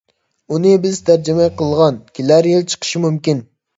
ئۇنى بىز تەرجىمە قىلغان. كېلەر يىل چىقىشى مۇمكىن.